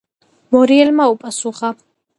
მორიელმა უპასუხა: